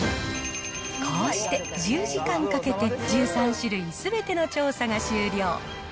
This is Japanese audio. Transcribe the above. こうして１０時間かけて１３種類すべての調査が終了。